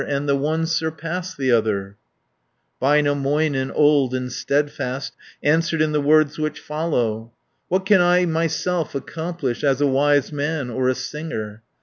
And the one surpass the other," Väinämöinen, old and steadfast, Answered in the words which follow: "What can I myself accomplish As a wise man or a singer?